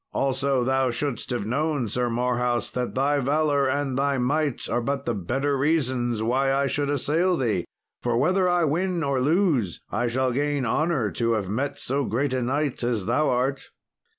Also, thou shouldst have known, Sir Marhaus, that thy valour and thy might are but the better reasons why I should assail thee; for whether I win or lose I shall gain honour to have met so great a knight as thou art."